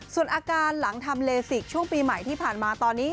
ส่วนอาการหลังทำเลสิกช่วงปีใหม่ที่ผ่านมาตอนนี้